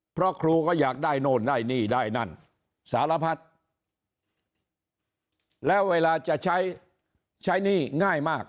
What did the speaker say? เพราะครูก็อยากได้โน่นได้นี่ได้นั่นสารพัดแล้วเวลาจะใช้ใช้หนี้ง่ายมาก